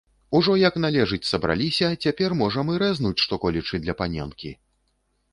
Ужо як належыць сабраліся, цяпер можам і рэзнуць што-колечы для паненкі.